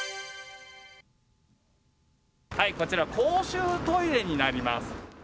こちら、公衆トイレになります。